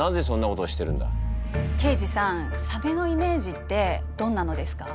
刑事さんサメのイメージってどんなのですか？